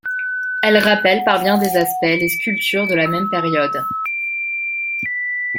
Elles rappellent par bien des aspects les sculptures de la même période.